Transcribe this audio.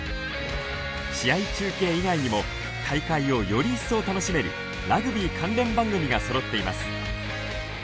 試合中継以外にも大会をより一層楽しめるラグビー関連番組がそろっています。